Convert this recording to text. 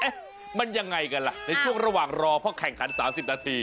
มันยังไงกันล่ะในช่วงระหว่างรอเพราะแข่งขัน๓๐นาที